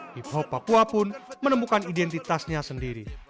hip hop papua pun menemukan identitasnya sendiri